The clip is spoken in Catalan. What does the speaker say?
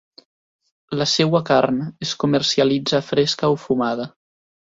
La seua carn es comercialitza fresca o fumada.